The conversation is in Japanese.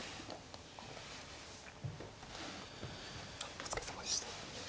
お疲れさまでした。